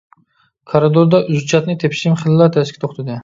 كارىدوردا ئۈزچاتنى تېپىشىم خېلىلا تەسكە توختىدى.